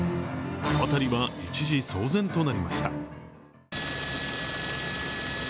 辺りは一時、騒然となりました。